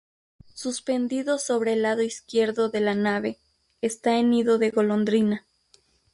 Suspendido sobre el lado izquierdo de la nave, está en nido de golondrina.